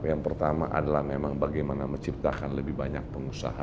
yang pertama adalah memang bagaimana menciptakan lebih banyak pengusaha